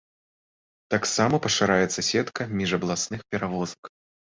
Таксама пашыраецца сетка міжабласных перавозак.